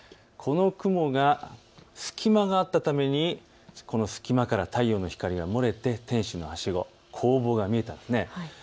この雲が、隙間があったためにこの隙間から太陽の光が漏れて天使のはしご、光ぼうが見えたんです。